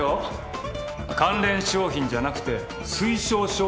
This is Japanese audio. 関連商品じゃなくて推奨商品だって。